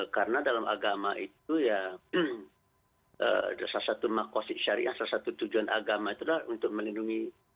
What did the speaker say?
karena dalam agama itu salah satu makosik syariah salah satu tujuan agama itu adalah untuk melindungi